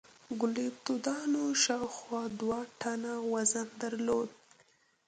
ګلیپتودونانو شاوخوا دوه ټنه وزن درلود.